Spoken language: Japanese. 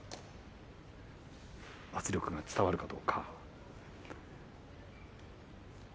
圧力が伝わるかどうか。